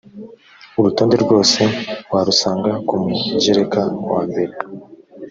urutonde rwose warusanga ku mugereka wambere